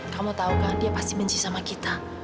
kamu tahu kan dia pasti benci sama kita